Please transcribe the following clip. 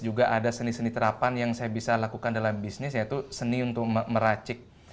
juga ada seni seni terapan yang saya bisa lakukan dalam bisnis yaitu seni untuk meracik